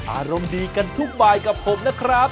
อารมณ์ดีกันทุกบายกับผมนะครับ